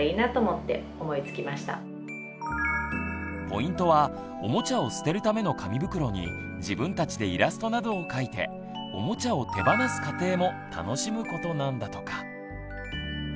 ポイントはおもちゃを捨てるための紙袋に自分たちでイラストなどを描いておもちゃを手放す過程も楽しむことなんだとか。